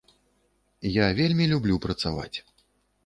Я вельмі люблю працаваць.